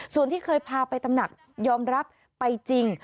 ส่วนที่เคยพาไปตำหนักยอมรับไปจริง